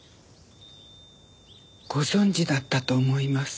ご存じだったと思います。